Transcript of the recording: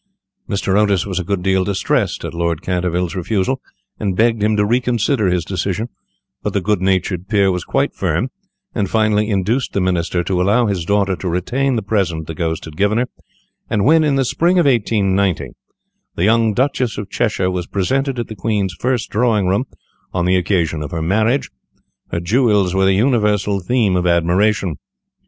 Mr. Otis was a good deal distressed at Lord Canterville's refusal, and begged him to reconsider his decision, but the good natured peer was quite firm, and finally induced the Minister to allow his daughter to retain the present the ghost had given her, and when, in the spring of 1890, the young Duchess of Cheshire was presented at the Queen's first drawing room on the occasion of her marriage, her jewels were the universal theme of admiration.